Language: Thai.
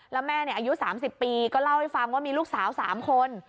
แล้วแม่อายุ๓๐ปีก็เล่าให้ฟังว่ามีลูกสาว๓คน